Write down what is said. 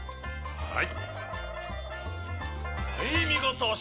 はい！